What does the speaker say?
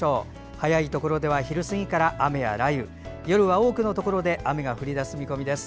早いところでは昼過ぎから雨や雷雨夜は多くのところで雨が降りだす見込みです。